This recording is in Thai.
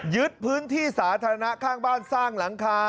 ยึดพื้นที่สาธารณะข้างบ้านสร้างหลังคา